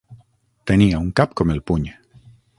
Tenia un cap com el puny.